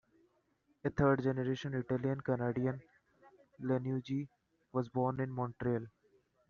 A third generation Italian Canadian, Iannuzzi was born in Montreal.